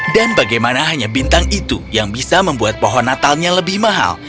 dan bagaimana hanya bintang itu yang bisa membuat pohon natalnya lebih mahal